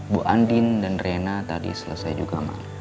bu andin dan rena tadi selesai juga mbak